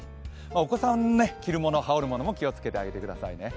お子さんの着るもの、羽織るものも気をつけてあげてくださいね。